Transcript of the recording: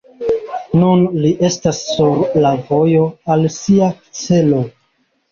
Nun li estas sur la vojo al sia celo.